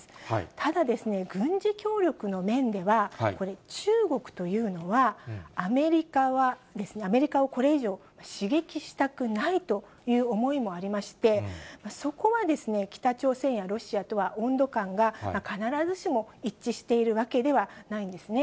ただ、軍事協力の面では、これ、中国というのは、アメリカをこれ以上刺激したくないという思いもありまして、そこは北朝鮮やロシアとは温度感が必ずしも一致しているわけではないんですね。